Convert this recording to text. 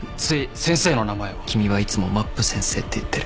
君はいつもまっぷ先生って言ってる。